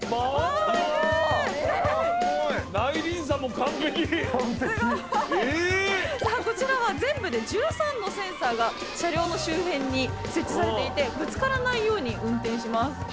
さあこちらは全部で１３のセンサーが車両の周辺に設置されていてぶつからないように運転します。